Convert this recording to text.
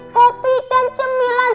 kopi dan cemilan